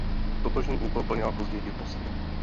Totožný úkol plnila později i v Bosně.